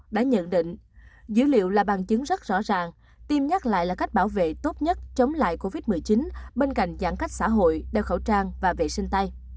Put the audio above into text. đã nhận định dữ liệu là bằng chứng rất rõ ràng tiêm nhắc lại là cách bảo vệ tốt nhất chống lại covid một mươi chín bên cạnh giãn cách xã hội đeo khẩu trang và vệ sinh tay